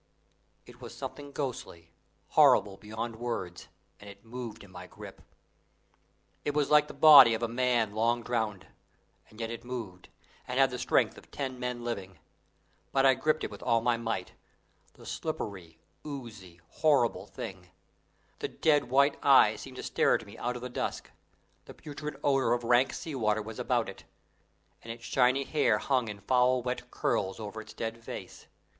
It was something ghostly, horrible beyond words, and it moved in my grip. It was like the body of a man long drowned, and yet it moved, and had the strength of ten men living; but I gripped it with all my might the slippery, oozy, horrible thing the dead white eyes seemed to stare at me out of the dusk; the putrid odour of rank sea water was about it, and its shiny hair hung in foul wet curls over its dead face.